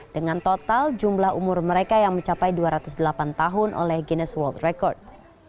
dengan total jumlah umur mereka yang mencapai dua ratus delapan tahun oleh giness world record